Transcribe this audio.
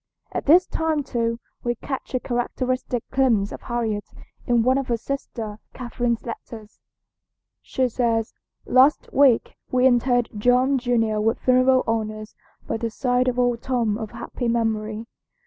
At this time too we catch a characteristic glimpse of Harriet in one of her sister Catherine's letters. She says: "Last week we interred Tom junior with funeral honors by the side of old Tom of happy memory.